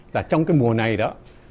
là trong cái mùa này đó